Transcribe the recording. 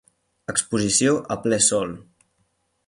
Exposició a ple sol.